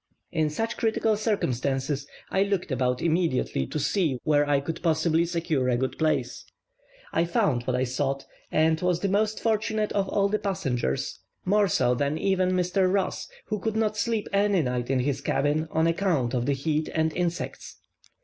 In such critical circumstances I looked about immediately to see where I could possibly secure a good place. I found what I sought, and was the most fortunate of all the passengers, more so than even Mr. Ross, who could not sleep any night in his cabin on account of the heat and insects.